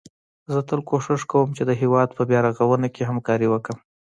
زه تل کوښښ کوم چي د هيواد په بيا رغونه کي همکاري وکړم